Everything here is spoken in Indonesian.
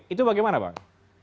itu bagaimana bang